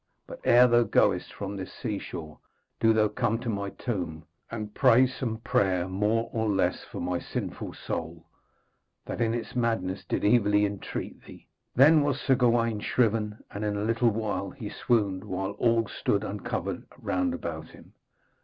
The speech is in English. But ere thou goest from this seashore do thou come to my tomb, and pray some prayer more or less for my sinful soul, that in its madness did evilly entreat thee.' Then was Sir Gawaine shriven, and in a little while he swooned, while all stood uncovered round about him.